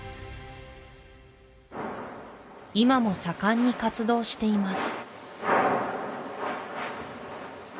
今も盛んに活動しています